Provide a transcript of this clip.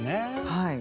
はい。